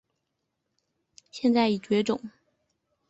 现在已绝种。